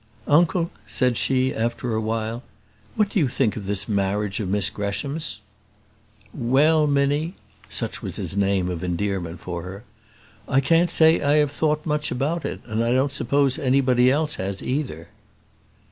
"Uncle," said she, after a while, "what do you think of this marriage of Miss Gresham's?" "Well, Minnie" such was his name of endearment for her "I can't say I have thought much about it, and I don't suppose anybody else has either."